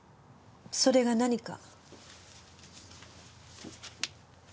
それが何か？